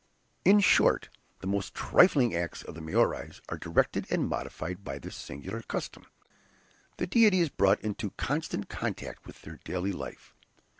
In short, the most trifling acts of the Maories are directed and modified by this singular custom, the deity is brought into constant contact with their daily life.